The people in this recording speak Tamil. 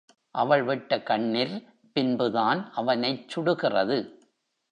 அவள் விட்ட கண்ணிர் பின்புதான் அவனைச் சுடுகிறது.